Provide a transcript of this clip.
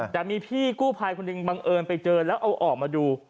แต่มีพี่กู้ภัยคนหนึ่งบังเอิญไปเจอแล้วเอาออกมาดู